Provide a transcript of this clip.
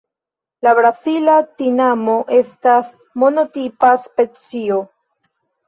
La Brazila tinamo estas monotipa specio.